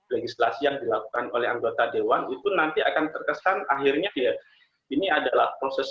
legislasi yang dilakukan oleh anggota dewan itu nanti akan terkesan akhirnya ya ini adalah proses